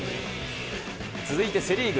続いてセ・リーグ。